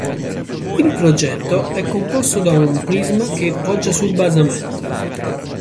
Il progetto è composto da un prisma che poggia sul basamento.